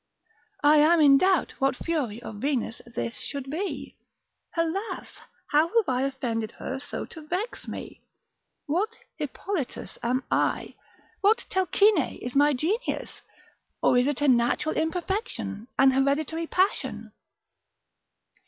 I am in a doubt what fury of Venus this should be: alas, how have I offended her so to vex me, what Hippolitus am I! What Telchine is my genius? or is it a natural imperfection, an hereditary passion?